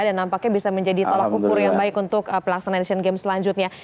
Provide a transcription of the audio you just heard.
dan nampaknya bisa menjadi tolak ukur yang baik untuk pelaksanaan asian games selanjutnya